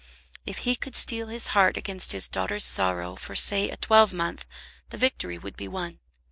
If he could steel his heart against his daughter's sorrow for, say, a twelvemonth, the victory would be won.